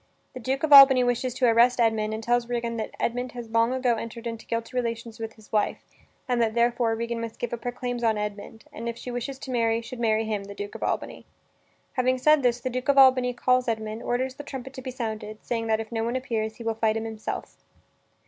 The Duke of Albany wishes to arrest Edmund, and tells Regan that Edmund has long ago entered into guilty relations with his wife, and that, therefore, Regan must give up her claims on Edmund, and if she wishes to marry, should marry him, the Duke of Albany. Having said this, the Duke of Albany calls Edmund, orders the trumpet to be sounded, saying that, if no one appears, he will fight him himself.